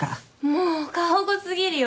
もう過保護過ぎるよ